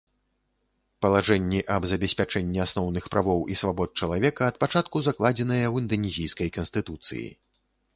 Палажэнні аб забеспячэнні асноўных правоў і свабод чалавека ад пачатку закладзеныя ў інданезійскай канстытуцыі.